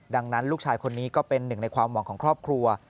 ดังนั้นลูกชายคนนี้ก็เป็นหนึ่งในความหวังของครอบครัว